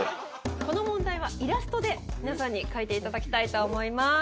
この問題はイラストで皆さんに描いて頂きたいと思います。